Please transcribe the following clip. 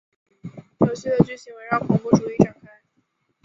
游戏的剧情围绕恐怖主义展开。